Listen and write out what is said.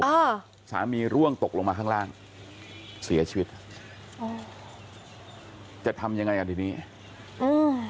เออสามีร่วงตกลงมาข้างล่างเสียชีวิตอ๋อจะทำยังไงอ่ะทีนี้อืม